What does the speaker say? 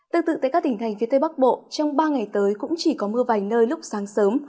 tương tự tại các tỉnh thành phía tây bắc bộ trong ba ngày tới cũng chỉ có mưa vài nơi lúc sáng sớm